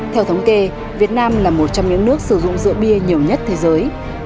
theo thống kê việt nam là một trong những nước sử dụng rượu bia nhiều nhất thế giới